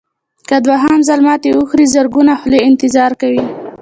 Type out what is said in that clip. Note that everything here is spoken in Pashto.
که دوهم ځل ماتې وخورئ زرګونه خولې انتظار کوي.